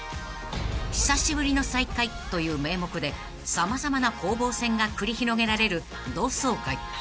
［久しぶりの再会という名目で様々な攻防戦が繰り広げられる同窓会］